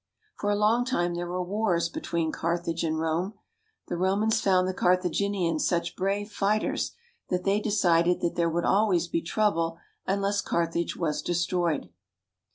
For a long time there were wars, between Carthage and Rome. The Romans found the Carthaginians such brave fighters that they decided that there would always be trouble unless Carthage was destroyed.